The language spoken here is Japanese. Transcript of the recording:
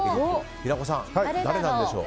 平子さん、誰なんでしょう？